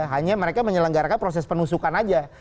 hanya mereka menyelenggarakan proses penusukan aja